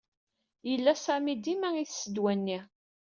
Yella Sami dima itess ddwa-nni.